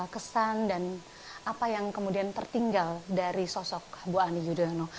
kesan dan apa yang kemudian tertinggal dari sosok bu ani yudhoyono